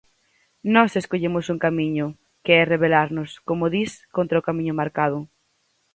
Nós escollemos un camiño, que é rebelarnos, como dis, contra o camiño marcado.